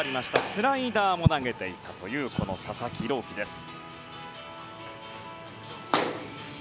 スライダーも投げていたという佐々木朗希です。